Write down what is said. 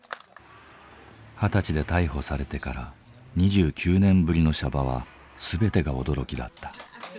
二十歳で逮捕されてから２９年ぶりの娑婆は全てが驚きだった。